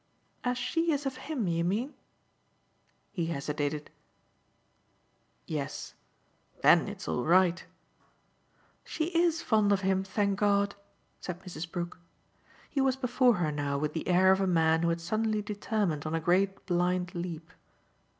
"As she is of him, you mean?" He hesitated. "Yes. Then it's all right." "She IS fond of him, thank God!" said Mrs. Brook. He was before her now with the air of a man who had suddenly determined on a great blind leap.